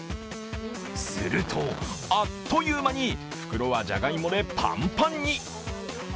すると、あっという間に袋はじゃがいもでパンパンに。